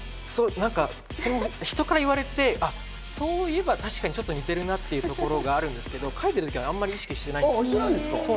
人から言われて、そういえば確かに似てるなっていうところがあるんですけど、書いてるときはあんまり意識してないです。